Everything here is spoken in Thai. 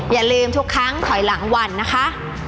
อย่าลืมทุกครั้งถอยหลังวันนะคะ